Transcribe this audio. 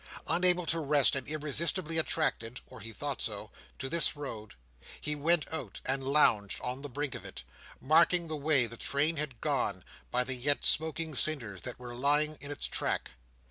Unable to rest, and irresistibly attracted—or he thought so—to this road, he went out, and lounged on the brink of it, marking the way the train had gone, by the yet smoking cinders that were lying in its track.